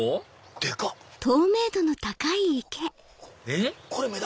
えっ？